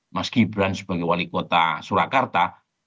mas gibran sebagai wali kota surakarta